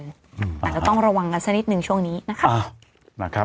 แต่ก็ต้องระวังเงินใจสักนิดช่วงหน้า